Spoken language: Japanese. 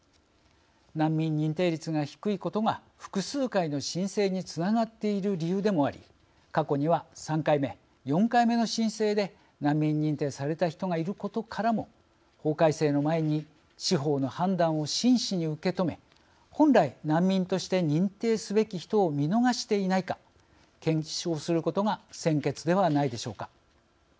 難民認定率が低いことが複数回の申請につながっている理由でもあり過去には３回目、４回目の申請で難民認定された人がいることからも法改正の前に司法の判断を真摯に受け止め本来、難民として認定すべき人を見逃していないか検証することが先決ではないでしょうか。